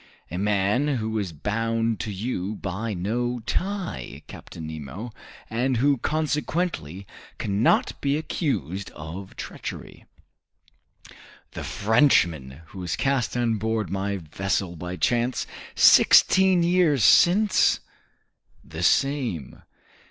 "A man who was bound to you by no tie, Captain Nemo, and who, consequently, cannot be accused of treachery." "The Frenchman who was cast on board my vessel by chance sixteen years since?" "The same."